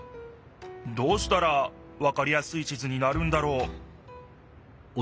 どうしたらわかりやすい地図になるんだろう？